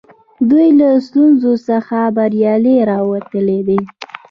دوی له ستونزو څخه بریالي راوتلي دي.